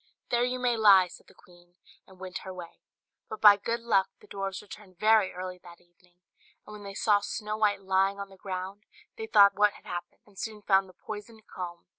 "There you may lie," said the queen, and went her way. But by good luck the dwarfs returned very early that evening; and when they saw Snow White lying on the ground, they thought what had happened, and soon found the poisoned comb.